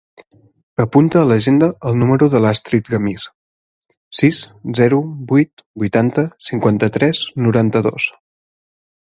Apunta a l'agenda el número de l'Astrid Gamiz: sis, zero, vuit, vuitanta, cinquanta-tres, noranta-dos.